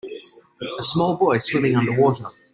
A small boy swimming underwater